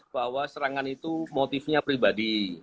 bahwa serangan itu motifnya pribadi